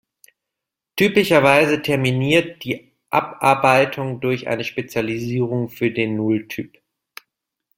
Typischerweise terminiert die Abarbeitung durch eine Spezialisierung für den Null-Typ.